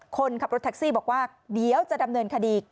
คนขับรถแท็กซี่บอกว่าเดี๋ยวจะดำเนินคดี